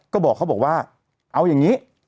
ก็บอกเขาบอกว่าเอาอย่างนี้